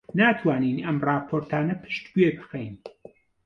ناتوانین ئەم ڕاپۆرتانە پشتگوێ بخەین.